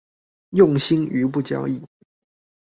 用心於不交易